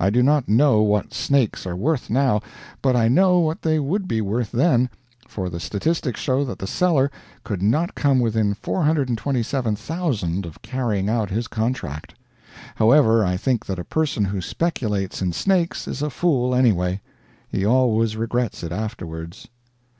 I do not know what snakes are worth now, but I know what they would be worth then, for the statistics show that the seller could not come within 427,000 of carrying out his contract. However, I think that a person who speculates in snakes is a fool, anyway. He always regrets it afterwards.